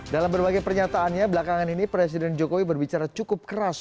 dalam berbagai pernyataannya belakangan ini presiden jokowi berbicara cukup keras